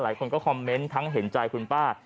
หลายคนก็คอมเมนต์ทั้งเห็นใจคุณป้า